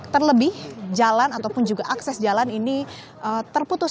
terlebih jalan ataupun juga akses jalan ini terputus